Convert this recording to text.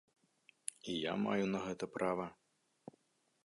І я маю на гэта права!